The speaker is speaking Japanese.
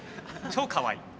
超かわいい。